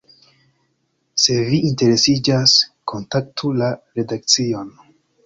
Se vi interesiĝas, kontaktu la redakcion!